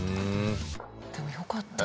でもよかった。